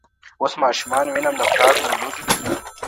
اوس ماشومان وینم له پلاره سره لوبي کوي.